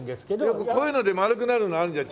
よくこういうので丸くなるのあるじゃん。